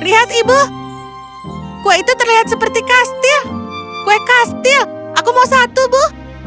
lihat ibu kue itu terlihat seperti kastil kue kastil aku mau satu bu